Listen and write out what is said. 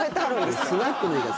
スナックの言い方。